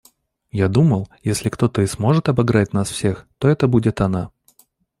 Я думал, если кто-то и сможет обыграть нас всех, это будет она.